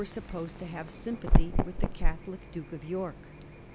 ik supposed to have sympathy with the Catholic Duke of York.